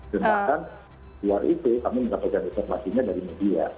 dan bahkan luar itu kami mendapatkan informasinya dari media